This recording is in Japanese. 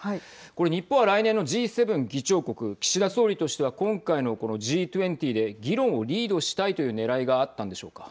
これ日本は来年のＧ７議長国岸田総理としては今回のこのＧ２０で議論をリードしたいというねらいがあったんでしょうか。